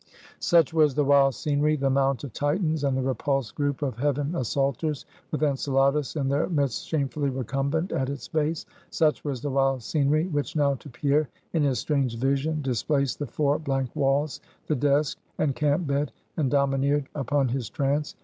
Such was the wild scenery the Mount of Titans, and the repulsed group of heaven assaulters, with Enceladus in their midst shamefully recumbent at its base; such was the wild scenery, which now to Pierre, in his strange vision, displaced the four blank walls, the desk, and camp bed, and domineered upon his trance.